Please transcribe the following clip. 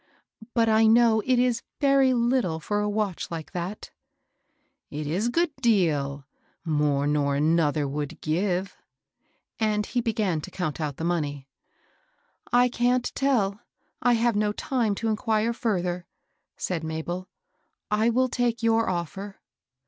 But I know it is very little for a watch like that." " It is good deal ; more nor another would give," and he began to count out the money. " I can't tell, — I have no time to inquire fur ther," said Mabel. " I will take your offer."